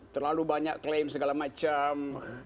terlalu banyak klaim segala macam